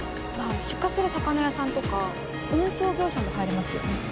まぁ出荷する魚屋さんとか運送業者も入れますよね。